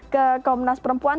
ke komnas perempuan